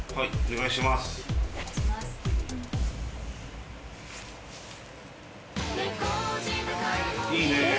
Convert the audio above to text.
いいね。